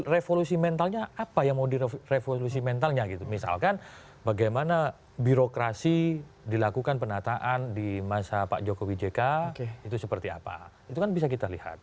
revolusi mentalnya apa yang mau direvolusi mentalnya gitu misalkan bagaimana birokrasi dilakukan penataan di masa pak jokowi jk itu seperti apa itu kan bisa kita lihat